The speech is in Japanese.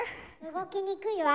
動きにくいわ。